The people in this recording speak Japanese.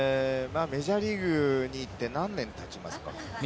メジャーリーグに行って何年たちますか。